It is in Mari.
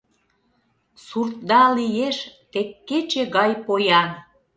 Суртда лиеш тек кече гай поян.